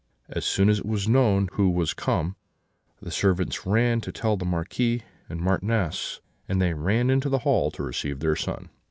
As soon as it was known who was come, the servants ran to tell the Marquis and Marchioness, and they ran into the hall to receive their son.